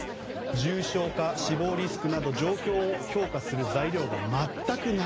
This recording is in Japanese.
重症化、死亡リスクなど状況を評価する材料が全くない。